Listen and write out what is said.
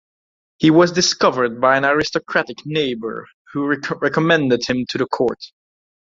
He was discovered by an aristocratic neighbour who recommended him to the court.